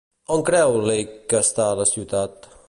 On creu Leake que està la ciutat?